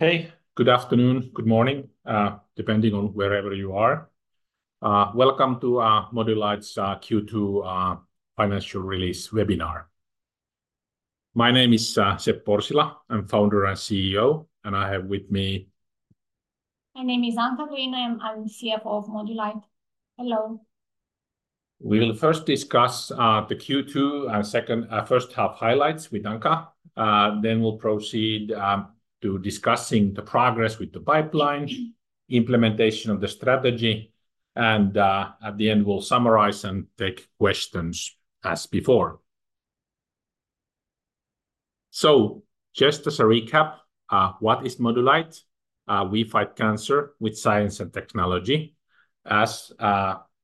Hey, good afternoon, good morning, depending on wherever you are. Welcome to Modulight's Q2 financial release webinar. My name is Seppo Orsila. I'm Founder and CEO, and I have with me- My name is Anca Guina, and I'm CFO of Modulight. Hello. We'll first discuss the Q2 and second first half highlights with Anca. Then we'll proceed to discussing the progress with the pipeline, implementation of the strategy, and at the end, we'll summarize and take questions as before. So just as a recap, what is Modulight? We fight cancer with science and technology. As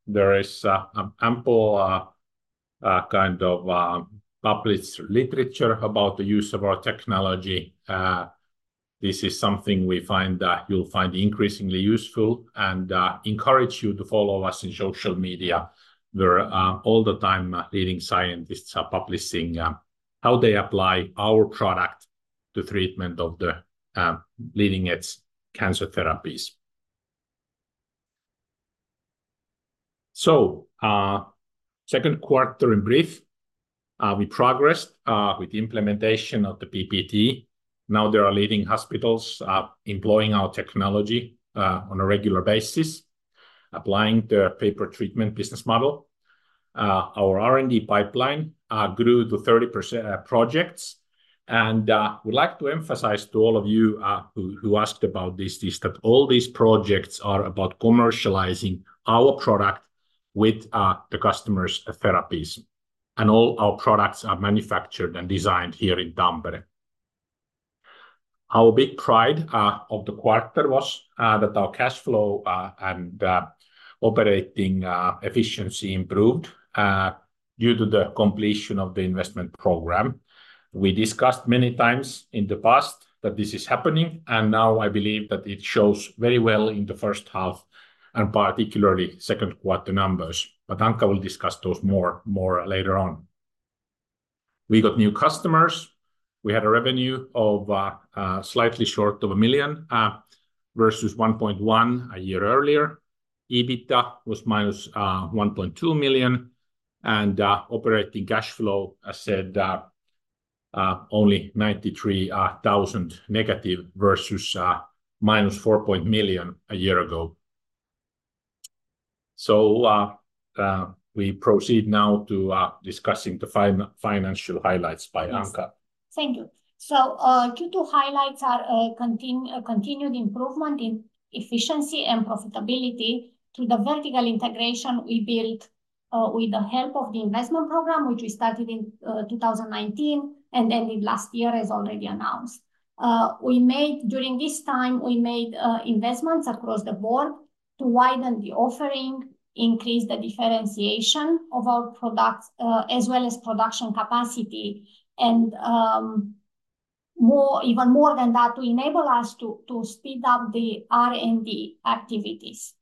there is an ample kind of published literature about the use of our technology, this is something we find that you'll find increasingly useful, and encourage you to follow us in social media, where all the time, leading scientists are publishing how they apply our product to treatment of the leading edge cancer therapies. So second quarter in brief, we progressed with the implementation of the PPT. Now, there are leading hospitals employing our technology on a regular basis, applying the pay-per-treatment business model. Our R&D pipeline grew to 30% projects, and we'd like to emphasize to all of you who asked about this, is that all these projects are about commercializing our product with the customers' therapies, and all our products are manufactured and designed here in Tampere. Our big pride of the quarter was that our cash flow and operating efficiency improved due to the completion of the investment program. We discussed many times in the past that this is happening, and now I believe that it shows very well in the first half, and particularly second quarter numbers, but Anca will discuss those more later on. We got new customers. We had a revenue of slightly short of 1 million versus 1.1 million a year earlier. EBITDA was -1.2 million, and operating cash flow, as said, only 93,000-, versus -4 million a year ago, so we proceed now to discussing the financial highlights by Anca. Yes. Thank you. Q2 highlights are continued improvement in efficiency and profitability through the vertical integration we built with the help of the investment program, which we started in 2019 and ended last year, as already announced. During this time, we made investments across the board to widen the offering, increase the differentiation of our products, as well as production capacity, and more, even more than that, to enable us to speed up the R&D activities.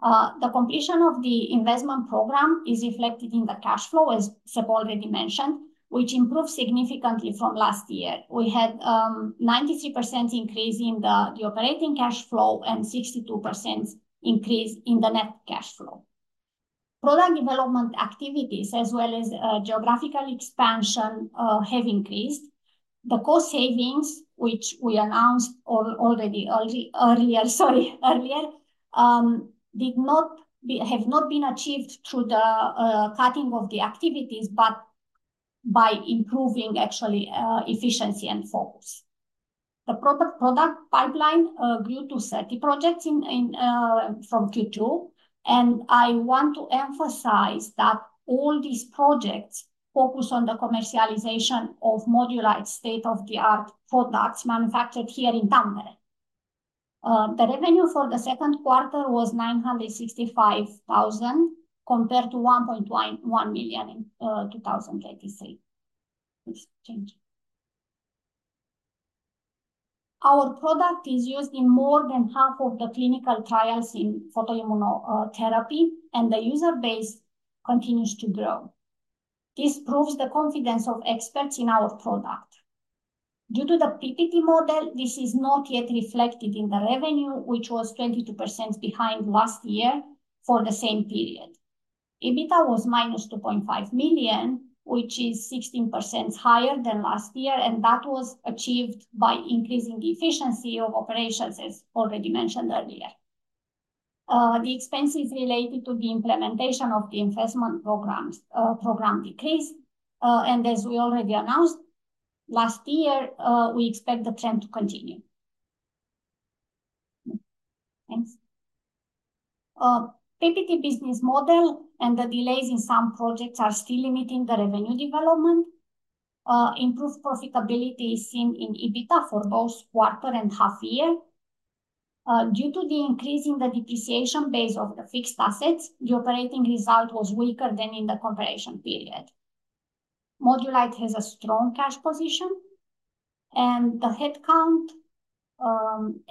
The completion of the investment program is reflected in the cash flow, as Seppo already mentioned, which improved significantly from last year. We had a 93% increase in the operating cash flow and 62% increase in the net cash flow. Product development activities, as well as geographical expansion, have increased. The cost savings, which we announced already earlier, sorry, earlier, have not been achieved through the cutting of the activities, but by improving actually efficiency and focus. The product pipeline grew to 30 projects in from Q2, and I want to emphasize that all these projects focus on the commercialization of Modulight's state-of-the-art products manufactured here in Tampere. The revenue for the second quarter was 965,000, compared to 1.1 million in 2023. Our product is used in more than half of the clinical trials in photoimmunotherapy, and the user base continues to grow. This proves the confidence of experts in our product. Due to the PPT model, this is not yet reflected in the revenue, which was 22% behind last year for the same period. EBITDA was -2.5 million, which is 16% higher than last year, and that was achieved by increasing the efficiency of operations, as already mentioned earlier. The expenses related to the implementation of the investment program decreased, and as we already announced last year, we expect the trend to continue. Thanks. PPT business model and the delays in some projects are still limiting the revenue development. Improved profitability is seen in EBITDA for both quarter and half year. Due to the increase in the depreciation base of the fixed assets, the operating result was weaker than in the comparison period. Modulight has a strong cash position, and the headcount,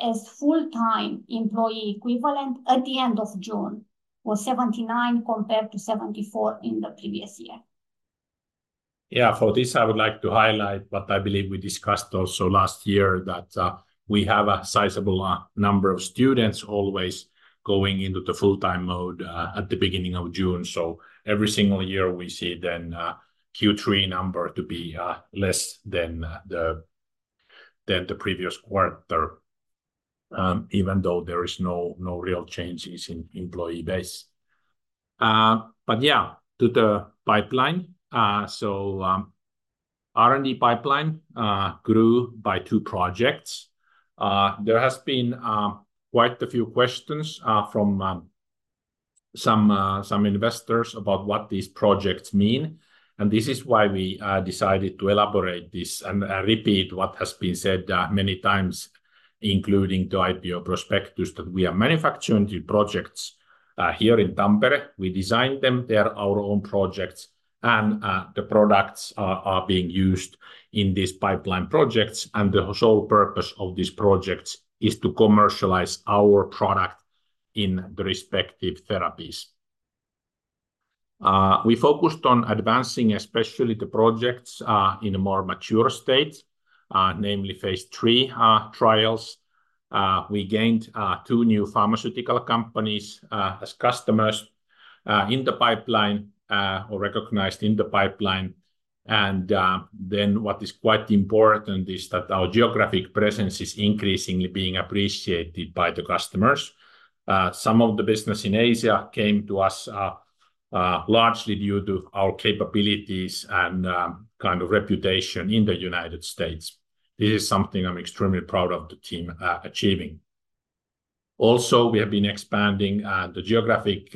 as full-time employee equivalent at the end of June, was 79, compared to 74 in the previous year.... Yeah, for this, I would like to highlight what I believe we discussed also last year, that we have a sizable number of students always going into the full-time mode at the beginning of June. So every single year, we see then Q3 number to be less than the previous quarter, even though there is no real changes in employee base. But yeah, to the pipeline, so R&D pipeline grew by two projects. There has been quite a few questions from some investors about what these projects mean, and this is why we decided to elaborate this and repeat what has been said many times, including the IPO prospectus, that we are manufacturing the projects here in Tampere. We design them, they are our own projects, and the products are being used in these pipeline projects. And the sole purpose of these projects is to commercialize our product in the respective therapies. We focused on advancing, especially the projects, in a more mature state, namely phase III trials. We gained two new pharmaceutical companies as customers in the pipeline or recognized in the pipeline. And then what is quite important is that our geographic presence is increasingly being appreciated by the customers. Some of the business in Asia came to us largely due to our capabilities and kind of reputation in the United States. This is something I'm extremely proud of the team achieving. Also, we have been expanding the geographic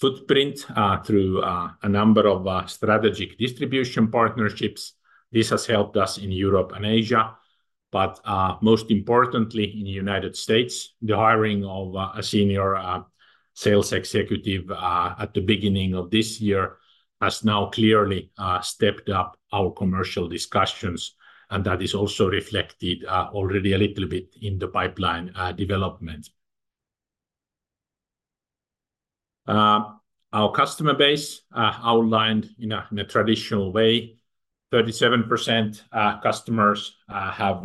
footprint through a number of strategic distribution partnerships. This has helped us in Europe and Asia, but most importantly, in the United States, the hiring of a senior sales executive at the beginning of this year has now clearly stepped up our commercial discussions, and that is also reflected already a little bit in the pipeline development. Our customer base, outlined in a traditional way, 37% customers have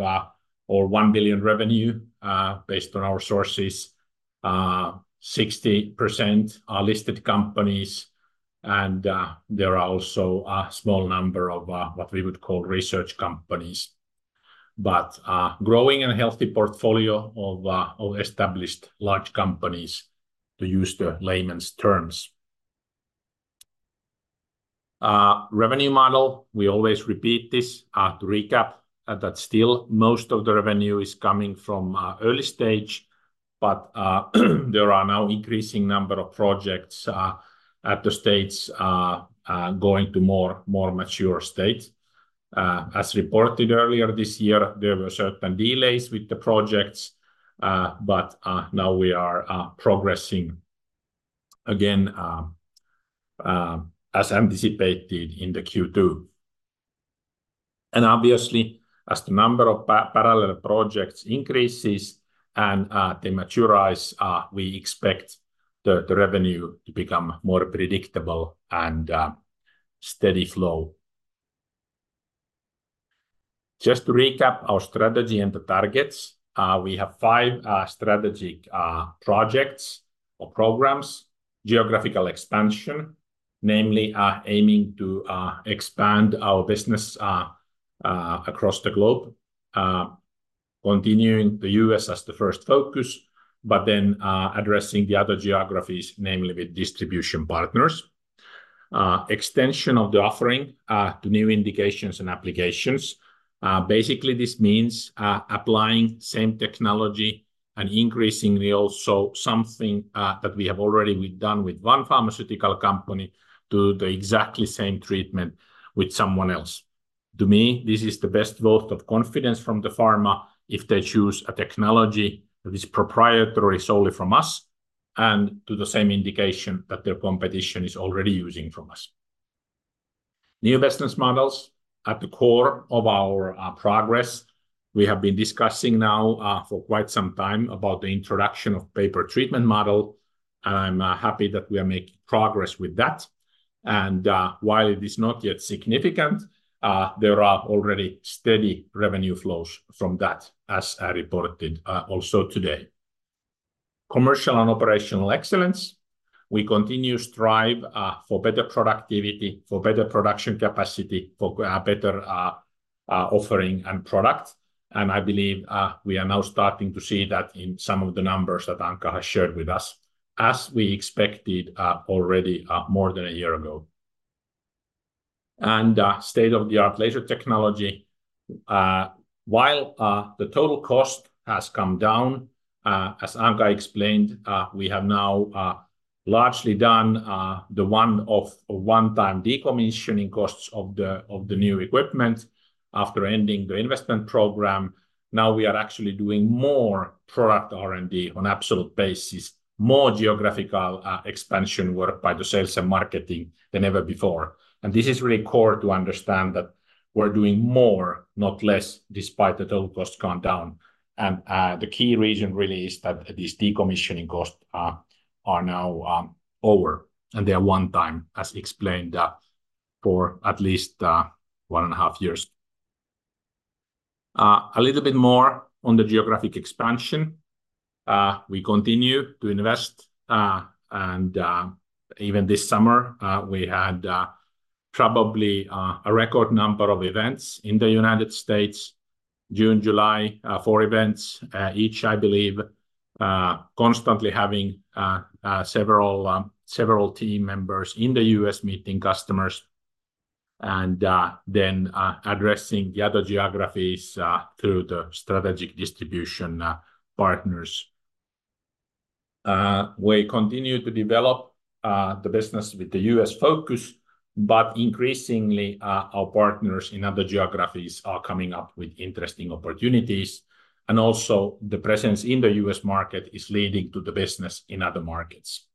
over one billion revenue based on our sources. 60% are listed companies, and there are also a small number of what we would call research companies, but a growing and healthy portfolio of established large companies, to use the layman's terms. Revenue model, we always repeat this, to recap, that still most of the revenue is coming from early stage, but there are now increasing number of projects at the states going to more mature states. As reported earlier this year, there were certain delays with the projects, but now we are progressing again, as anticipated in the Q2. Obviously, as the number of parallel projects increases and they mature, we expect the revenue to become more predictable and steady flow. Just to recap our strategy and the targets, we have five strategic projects or programs: geographical expansion, namely, aiming to expand our business across the globe, continuing the U.S. as the first focus, but then, addressing the other geographies, namely with distribution partners. Extension of the offering to new indications and applications. Basically, this means applying same technology and increasingly also something that we have already done with one pharmaceutical company, do the exactly same treatment with someone else. To me, this is the best vote of confidence from the pharma if they choose a technology that is proprietary solely from us, and to the same indication that their competition is already using from us. New business models at the core of our progress. We have been discussing now for quite some time about the introduction of pay-per-treatment model, and I'm happy that we are making progress with that. And while it is not yet significant, there are already steady revenue flows from that, as I reported also today. Commercial and operational excellence. We continue to strive for better productivity, for better production capacity, for better offering and product. And I believe we are now starting to see that in some of the numbers that Anca has shared with us, as we expected already more than a year ago. And state-of-the-art laser technology. While the total cost has come down, as Anca explained, we have now largely done the one-off, one-time decommissioning costs of the new equipment after ending the investment program. Now we are actually doing more product R&D on absolute basis, more geographical expansion work by the sales and marketing than ever before. And this is really core to understand that we're doing more, not less, despite the total costs going down. And the key reason really is that these decommissioning costs are now over, and they are one time, as explained, for at least one and a half years. A little bit more on the geographic expansion. We continue to invest, and even this summer, we had probably a record number of events in the United States. June, July, four events, each, I believe, constantly having several team members in the U.S. meeting customers and then addressing the other geographies through the strategic distribution partners. We continue to develop the business with the U.S. focus, but increasingly our partners in other geographies are coming up with interesting opportunities, and also the presence in the U.S. market is leading to the business in other markets.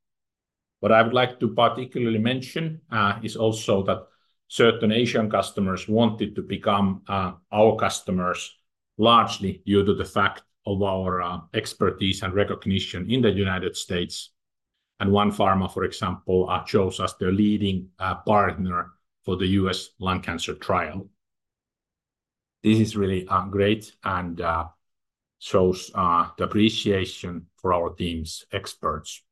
What I would like to particularly mention is also that certain Asian customers wanted to become our customers, largely due to the fact of our expertise and recognition in the United States, and one pharma, for example, chose us their leading partner for the U.S. lung cancer trial. This is really great and shows the appreciation for our team's expertise.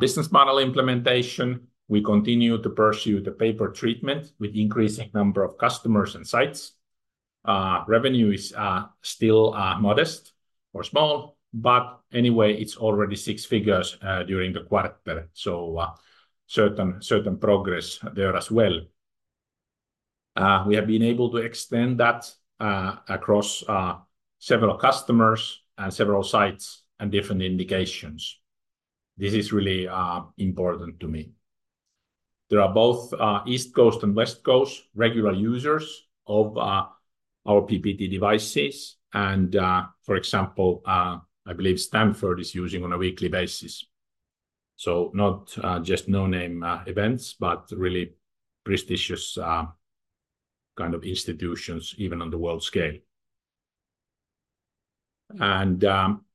Business model implementation. We continue to pursue the pay-per-treatment with increasing number of customers and sites. Revenue is still modest or small, but anyway, it's already six figures during the quarter, so certain progress there as well. We have been able to extend that across several customers and several sites and different indications. This is really important to me. There are both East Coast and West Coast regular users of our PPT devices and, for example, I believe Stanford is using on a weekly basis. So not just no-name events, but really prestigious kind of institutions, even on the world scale.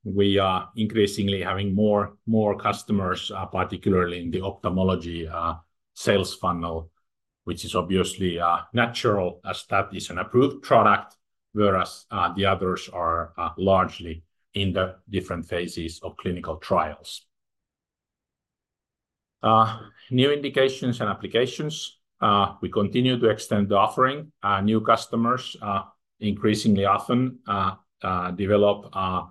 We are increasingly having more customers, particularly in the ophthalmology sales funnel, which is obviously natural as that is an approved product, whereas the others are largely in the different phases of clinical trials. New indications and applications. We continue to extend the offering. New customers increasingly often develop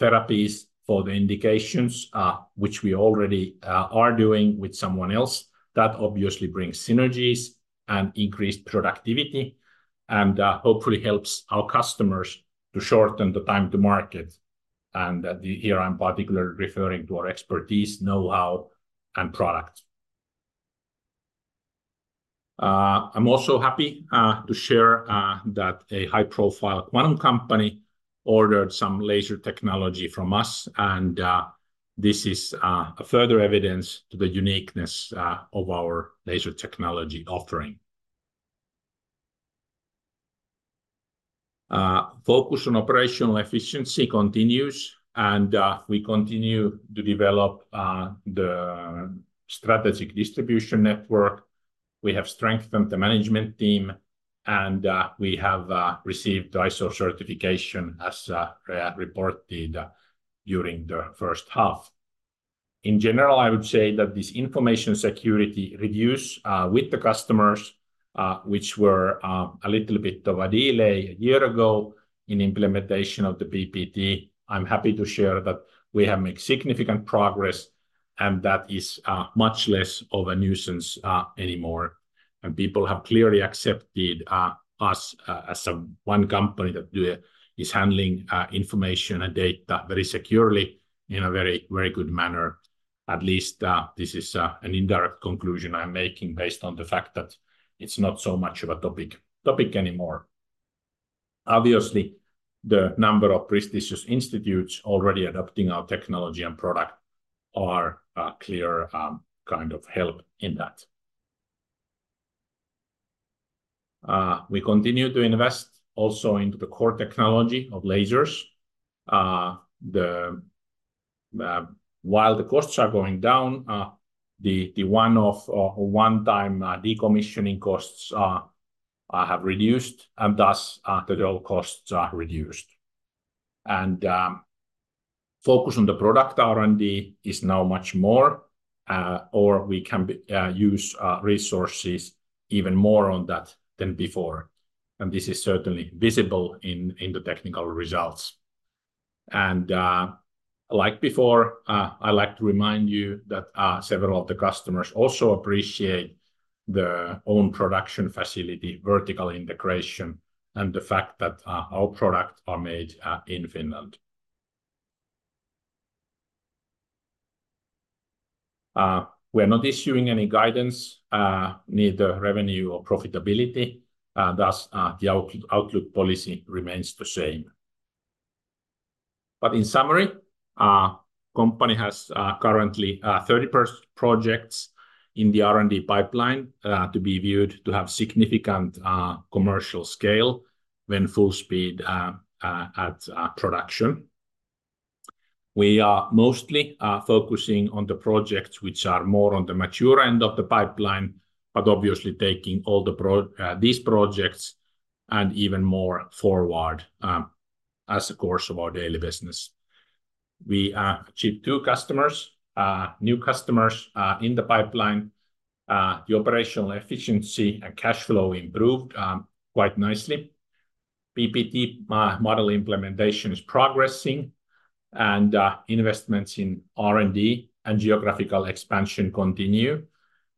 therapies for the indications which we already are doing with someone else. That obviously brings synergies and increased productivity, and hopefully helps our customers to shorten the time to market, and here I'm particularly referring to our expertise, know-how, and product. I'm also happy to share that a high-profile quantum company ordered some laser technology from us, and this is a further evidence to the uniqueness of our laser technology offering. Focus on operational efficiency continues, and we continue to develop the strategic distribution network. We have strengthened the management team, and we have received ISO certification as reported during the first half. In general, I would say that this information security reviews with the customers, which were a little bit of a delay a year ago in implementation of the PPT. I'm happy to share that we have made significant progress, and that is much less of a nuisance anymore. People have clearly accepted us as a one company that is handling information and data very securely in a very, very good manner. At least, this is an indirect conclusion I'm making based on the fact that it's not so much of a topic anymore. Obviously, the number of prestigious institutes already adopting our technology and product are a clear kind of help in that. We continue to invest also into the core technology of lasers. While the costs are going down, the one-off or one-time decommissioning costs have reduced, and thus, the total costs are reduced, and focus on the product R&D is now much more, or we can use resources even more on that than before, and this is certainly visible in the technical results, and like before, I'd like to remind you that several of the customers also appreciate the own production facility, vertical integration, and the fact that our products are made in Finland. We are not issuing any guidance, neither revenue or profitability, thus the outlook policy remains the same. But in summary, company has currently 30 projects in the R&D pipeline to be viewed to have significant commercial scale when full speed at production. We are mostly focusing on the projects which are more on the mature end of the pipeline, but obviously taking all these projects and even more forward as a course of our daily business. We achieved 2 new customers in the pipeline. The operational efficiency and cash flow improved quite nicely. PPT model implementation is progressing, and investments in R&D and geographical expansion continue.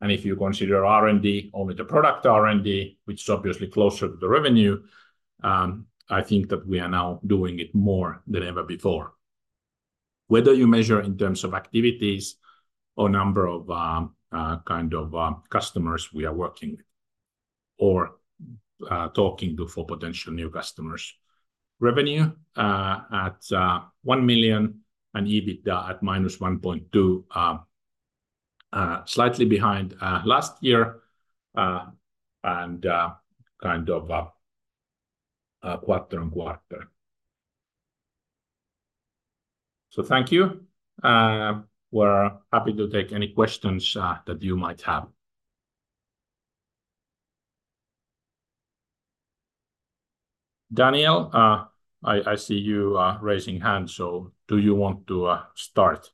And if you consider R&D, only the product R&D, which is obviously closer to the revenue, I think that we are now doing it more than ever before. Whether you measure in terms of activities or number of, kind of, customers we are working with or, talking to for potential new customers. Revenue at 1 million, and EBITDA at -1.2 million, slightly behind last year, and, kind of, quarter on quarter. So thank you. We're happy to take any questions that you might have. Daniel, I see you raising hand, so do you want to start?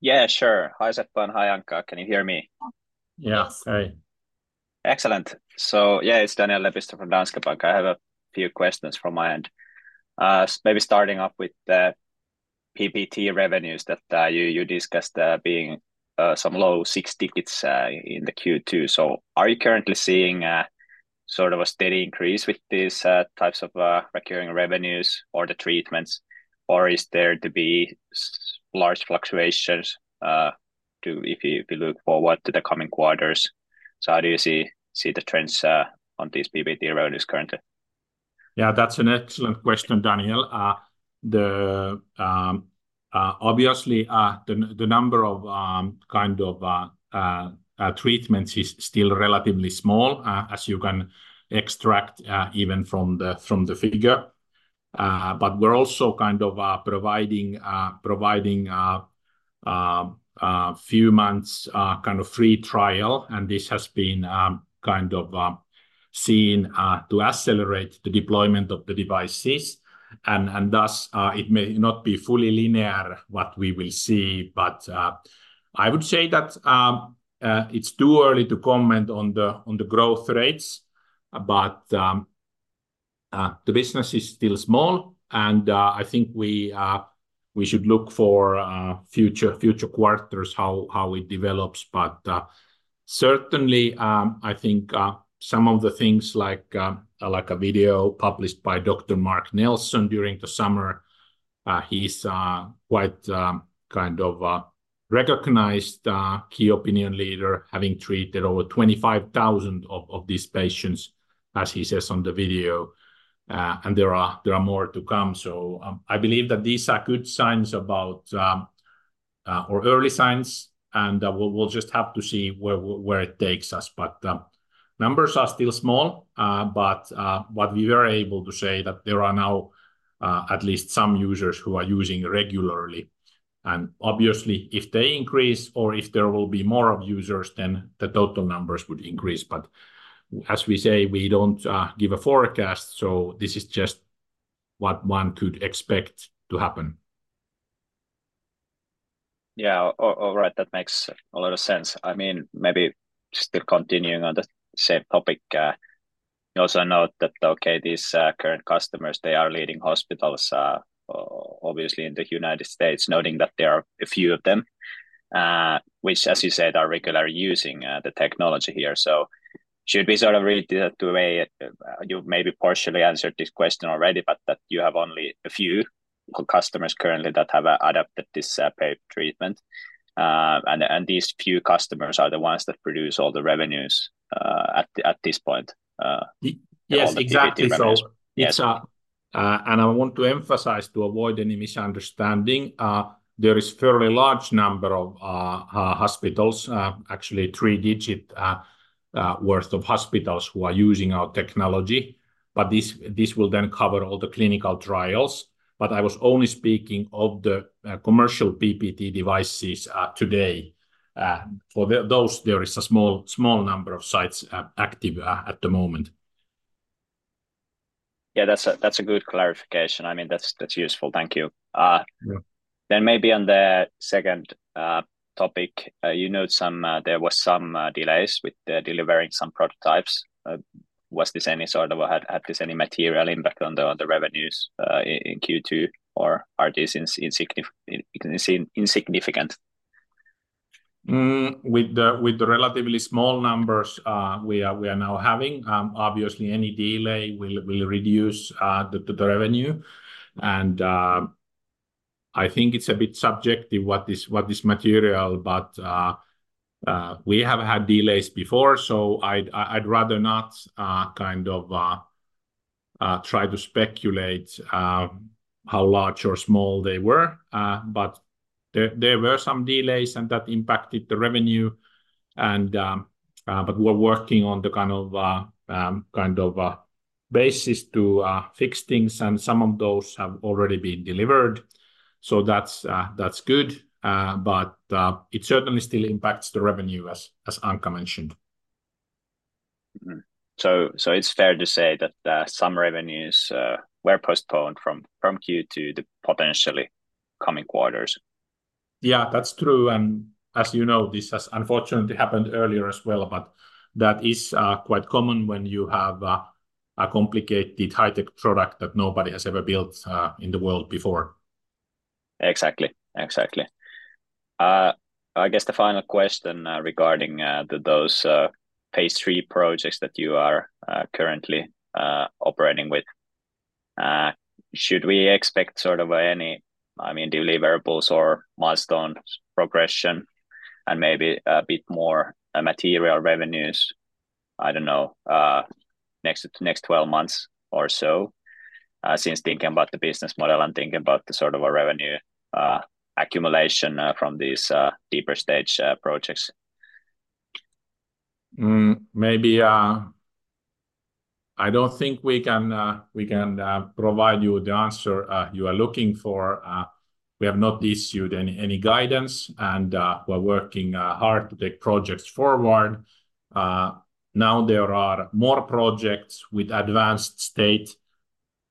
Yeah, sure. Hi, Seppo, and hi, Anca. Can you hear me? Yeah. Hi. Excellent. So yeah, it's Daniel Lepistö from Danske Bank. I have a few questions from my end. Maybe starting off with the PPT revenues that you discussed being some low six digits in the Q2. So are you currently seeing sort of a steady increase with these types of recurring revenues or the treatments, or is there to be some large fluctuations if you look forward to the coming quarters? So how do you see the trends on these PPT revenues currently? Yeah, that's an excellent question, Daniel. Obviously, the number of kind of treatments is still relatively small, as you can extract, even from the figure. But we're also kind of providing a few months kind of free trial, and this has been kind of seen to accelerate the deployment of the devices, and thus, it may not be fully linear, what we will see. But I would say that it's too early to comment on the growth rates, but the business is still small, and I think we should look for future quarters, how it develops. Certainly, I think some of the things like a video published by Dr. Mark Nelson during the summer. He's quite kind of a recognized key opinion leader, having treated over 25,000 of these patients, as he says on the video. And there are more to come. I believe that these are good signs about or early signs, and we'll just have to see where it takes us. Numbers are still small, but what we were able to say that there are now at least some users who are using regularly. Obviously, if they increase or if there will be more of users, then the total numbers would increase. But as we say, we don't give a forecast, so this is just what one could expect to happen. Yeah. All right, that makes a lot of sense. I mean, maybe still continuing on the same topic, you also note that, okay, these current customers, they are leading hospitals, obviously in the United States, noting that there are a few of them, which, as you said, are regularly using the technology here. So should we sort of read it the way you maybe partially answered this question already, but that you have only a few customers currently that have adapted this paid treatment, and these few customers are the ones that produce all the revenues, at this point? Yes, exactly. So yeah- I want to emphasize to avoid any misunderstanding. There is fairly large number of hospitals, actually three digit worth of hospitals who are using our technology, but this will then cover all the clinical trials. But I was only speaking of the commercial PPT devices today. For those, there is a small number of sites active at the moment. Yeah, that's a good clarification. I mean, that's useful. Thank you. Yeah. Maybe on the second topic, you noted there was some delays with delivering some prototypes. Had this any material impact on the revenues in Q2, or are these insignificant? With the relatively small numbers, we are now having obviously any delay will reduce the revenue. I think it's a bit subjective, what is material, but we have had delays before, so I'd rather not kind of try to speculate how large or small they were. But there were some delays, and that impacted the revenue, and but we're working on the kind of basis to fix things, and some of those have already been delivered. So that's good. But it certainly still impacts the revenue as Anca mentioned. So, it's fair to say that some revenues were postponed from Q2 to the potentially coming quarters? Yeah, that's true, and as you know, this has unfortunately happened earlier as well. But that is quite common when you have a complicated high-tech product that nobody has ever built in the world before. Exactly. Exactly. I guess the final question regarding those phase III projects that you are currently operating with. Should we expect sort of any, I mean, deliverables or milestone progression and maybe a bit more material revenues, I don't know, next, the next twelve months or so? Since thinking about the business model and thinking about the sort of a revenue accumulation from these deeper stage projects. Maybe, I don't think we can provide you the answer you are looking for. We have not issued any guidance, and we're working hard to take projects forward. Now there are more projects with advanced state,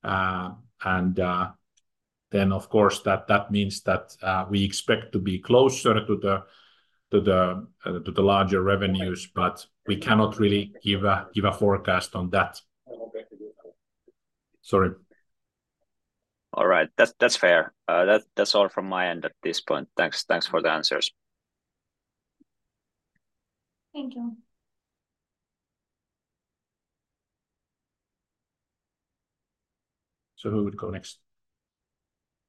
and then, of course, that means that we expect to be closer to the larger revenues, but we cannot really give a forecast on that. Sorry. All right. That's fair. That's all from my end at this point. Thanks for the answers. Thank you. So who would go next?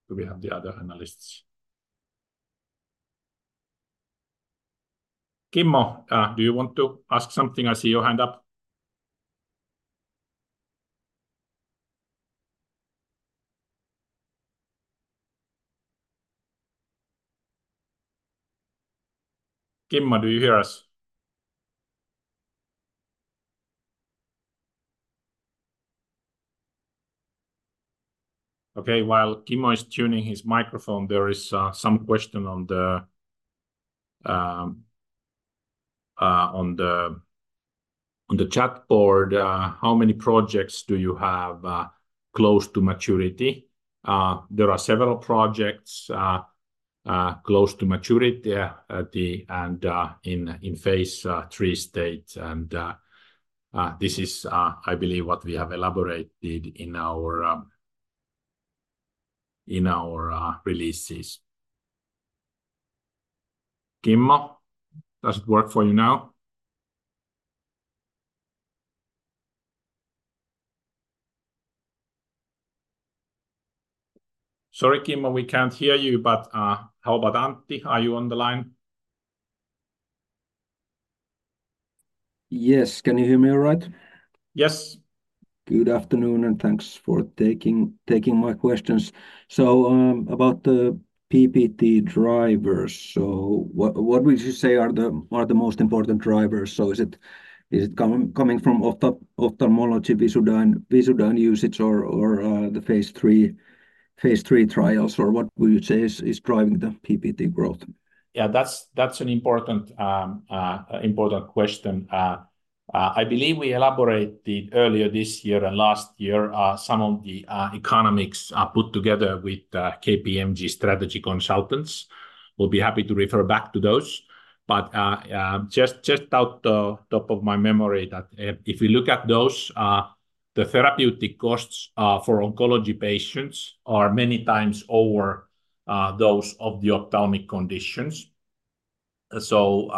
Do we have the other analysts? Kimmo, do you want to ask something? I see your hand up. Kimmo, do you hear us? Okay, while Kimmo is tuning his microphone, there is some question on the chat board. How many projects do you have close to maturity? There are several projects close to maturity and in phase III state, and this is, I believe, what we have elaborated in our releases. Kimmo, does it work for you now? Sorry, Kimmo, we can't hear you, but how about Antti? Are you on the line? Yes. Can you hear me all right? Yes. Good afternoon, and thanks for taking my questions. So, about the PPT drivers, so what would you say are the most important drivers? So is it coming from ophthalmology Visudyne usage or the phase III trials? Or what would you say is driving the PPT growth? Yeah, that's an important question. I believe we elaborated earlier this year and last year some of the economics put together with KPMG strategy consultants. We'll be happy to refer back to those, but just out the top of my memory, that if we look at those, the therapeutic costs for oncology patients are many times over those of the ophthalmic conditions. So,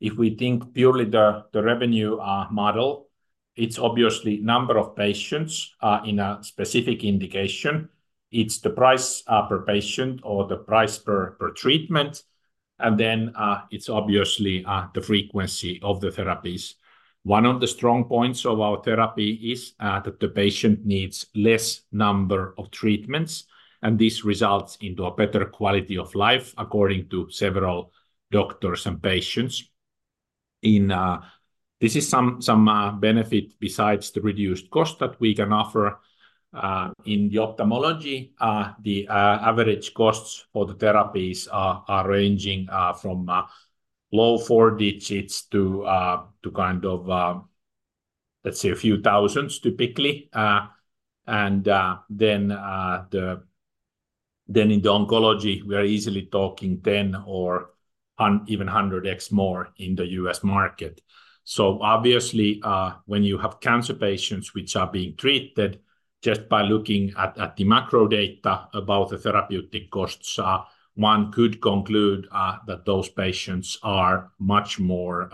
if we think purely the revenue model, it's obviously number of patients in a specific indication. It's the price per patient or the price per treatment, and then it's obviously the frequency of the therapies. One of the strong points of our therapy is that the patient needs less number of treatments, and this results into a better quality of life, according to several doctors and patients. This is some benefit besides the reduced cost that we can offer. In the ophthalmology, the average costs for the therapies are ranging from low four digits to kind of let's say a few thousands, typically. Then in the oncology, we are easily talking ten or even hundred x more in the U.S. market. So obviously, when you have cancer patients which are being treated, just by looking at the macro data about the therapeutic costs, one could conclude that those patients are much more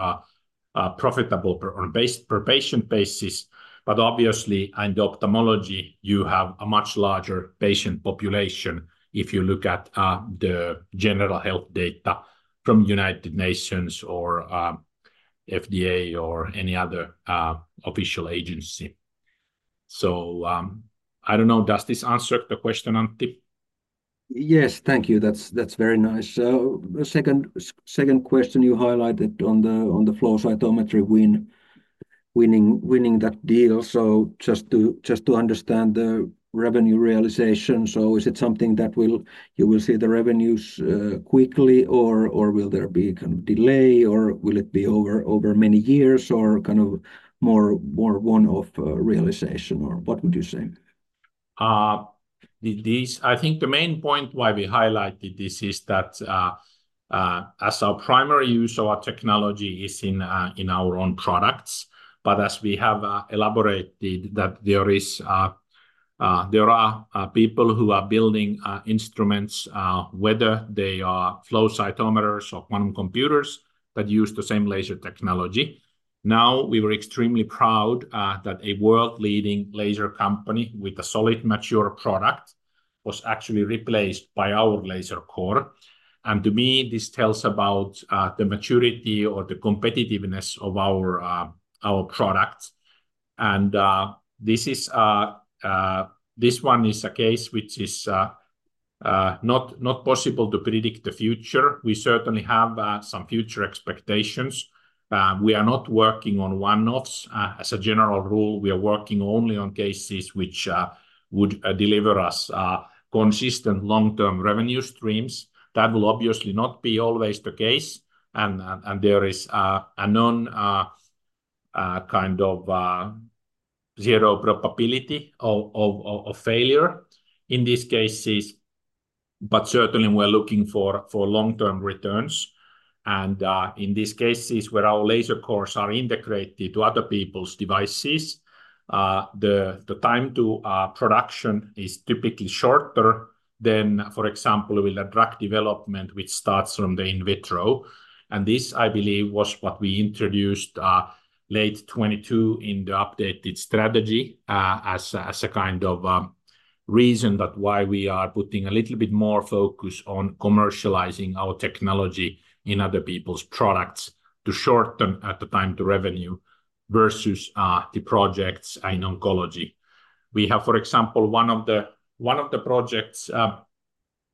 profitable per patient basis. But obviously, in the ophthalmology, you have a much larger patient population if you look at the general health data from United Nations or FDA or any other official agency. So, I don't know. Does this answer the question, Antti?... Yes. Thank you. That's very nice. So the second question you highlighted on the flow cytometry win, winning that deal. So just to understand the revenue realization, so is it something that will... you will see the revenues quickly, or will there be a kind of delay, or will it be over many years or kind of more one-off realization, or what would you say? I think the main point why we highlighted this is that, as our primary use of our technology is in our own products, but as we have elaborated that there are people who are building instruments, whether they are flow cytometers or quantum computers, that use the same laser technology. Now, we were extremely proud that a world-leading laser company with a solid, mature product was actually replaced by our laser core. And to me, this tells about the maturity or the competitiveness of our products. And this is this one is a case which is not possible to predict the future. We certainly have some future expectations. We are not working on one-offs. As a general rule, we are working only on cases which would deliver us consistent long-term revenue streams. That will obviously not be always the case, and there is a known kind of zero probability of failure in these cases, but certainly we're looking for long-term returns. In these cases where our laser cores are integrated to other people's devices, the time to production is typically shorter than, for example, with a drug development, which starts from the in vitro. This, I believe, was what we introduced late 2022 in the updated strategy, as a kind of reason that why we are putting a little bit more focus on commercializing our technology in other people's products to shorten the time to revenue versus the projects in oncology. We have, for example, one of the projects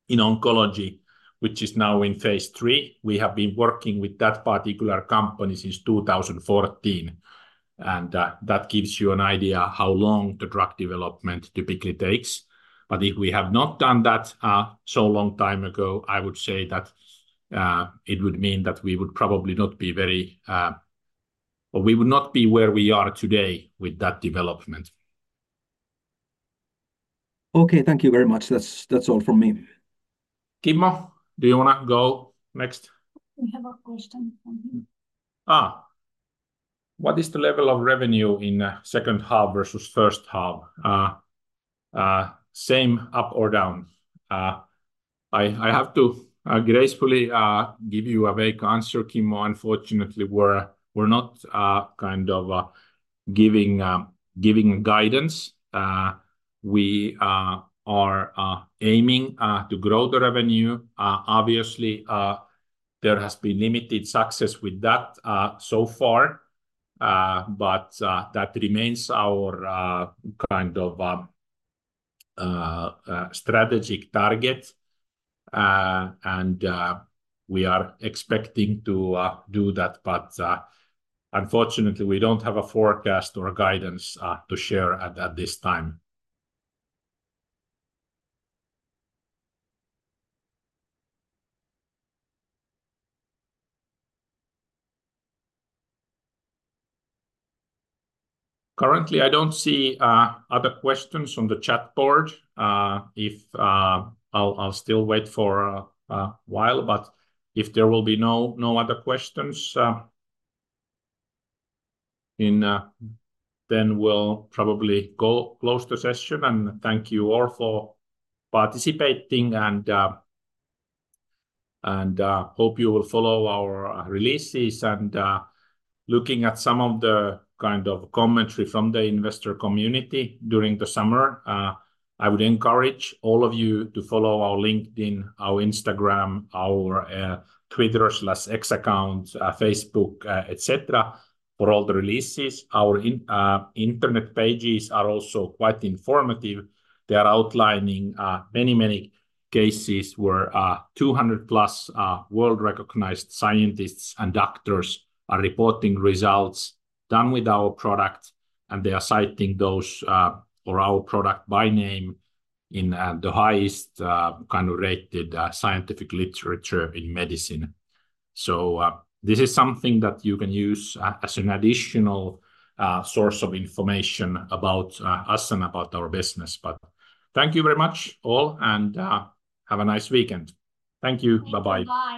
in oncology, which is now in phase three. We have been working with that particular company since two thousand and fourteen, and that gives you an idea how long the drug development typically takes. But if we have not done that so long time ago, I would say that it would mean that we would probably not be very or we would not be where we are today with that development. Okay. Thank you very much. That's, that's all from me. Kimmo, do you wanna go next? We have a question from him. Ah, what is the level of revenue in second half versus first half? Same, up or down? I have to gracefully give you a vague answer, Kimmo. Unfortunately, we're not kind of giving guidance. We are aiming to grow the revenue. Obviously, there has been limited success with that so far, but that remains our kind of strategic target, and we are expecting to do that, but unfortunately, we don't have a forecast or guidance to share at this time. Currently, I don't see other questions on the chat board. If... I'll still wait for a while, but if there will be no other questions, then we'll probably go close the session. And thank you all for participating, and hope you will follow our releases. And looking at some of the kind of commentary from the investor community during the summer, I would encourage all of you to follow our LinkedIn, our Instagram, our Twitter/X account, Facebook, et cetera, for all the releases. Our internet pages are also quite informative. They are outlining many, many cases where two hundred plus world-recognized scientists and doctors are reporting results done with our product, and they are citing those or our product by name in the highest kind of rated scientific literature in medicine. So, this is something that you can use as an additional source of information about us and about our business. But thank you very much, all, and have a nice weekend. Thank you. Bye-bye.